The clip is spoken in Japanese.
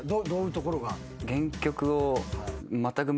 どういうところが？